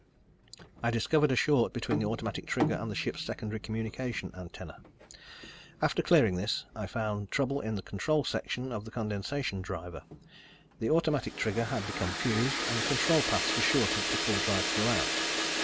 I discovered a short between the automatic trigger and the ship's secondary communication antenna. After clearing this, I found trouble in the control section of the condensation driver. The automatic trigger had become fused, and the control paths were shorted to full drive throughout.